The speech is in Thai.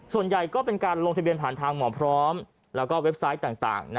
ส่วนใหญ่ก็เป็นการลงทะเบียนผ่านทางหมอพร้อมแล้วก็เว็บไซต์ต่าง